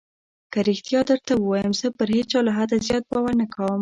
که رښتيا درته ووايم زه پر هېچا له حده زيات باور نه کوم.